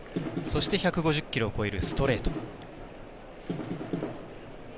そして１５０キロを超えるストレート。